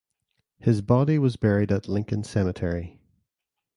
His body was buried at Lincoln Cemetery.